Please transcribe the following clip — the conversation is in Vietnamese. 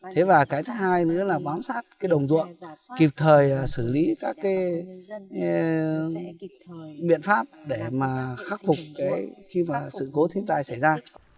thế và cái thứ hai nữa là bám sát đồng ruộng kịp thời xử lý các biện pháp để khắc phục khi mà sự cố thiên tai xảy ra